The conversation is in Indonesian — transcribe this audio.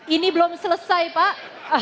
ini belum selesai pak